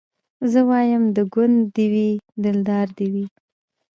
زه وايم د ګوند دي وي دلدار دي وي